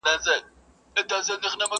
سړي وویل زما ومنه که ښه کړې.!